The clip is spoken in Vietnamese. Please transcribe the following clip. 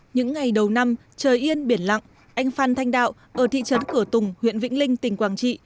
những ngày đầu năm trời yên biển lặng anh phan thanh đạo ở thị trấn cửa tùng huyện vĩnh linh tỉnh quảng trị